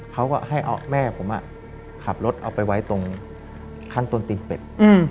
เขาก็ให้เอาแม่ผมขับรถเอาไปไว้ตรงข้างต้นตีนเป็ด